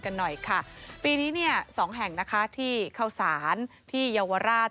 กันหน่อยค่ะปีนี้เนี่ยสองแห่งนะคะที่เข้าสารที่เยาวราช